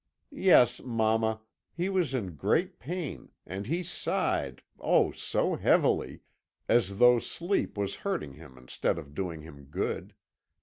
Yes, mamma, he was in great pain, and he sighed, oh, so heavily! as though sleep was hurting him instead of doing him good.